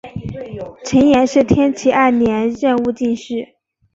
陈演是天启二年壬戌进士。